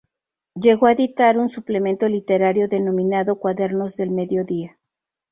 Llegó a editar un suplemento literario, denominado "Cuadernos del Mediodía".